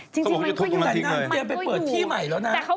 จริงมันก็อยู่อยู่แต่นางเจียไปเปิดที่ใหม่แล้วนะมันก็อยู่